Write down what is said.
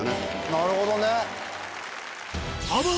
なるほどね。